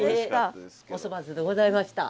お粗末でございました。